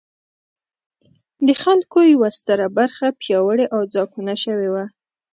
د خلکو یوه ستره برخه پیاوړې او ځواکمنه شوې وه.